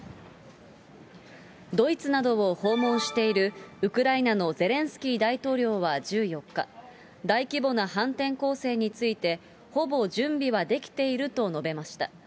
ドイツなどを訪問しているウクライナのゼレンスキー大統領は１４日、大規模な反転攻勢について、ほぼ準備はできていると述べました。